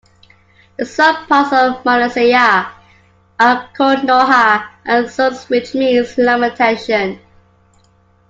The sub-parts of Marsiya are called Noha and Soaz which means lamentation.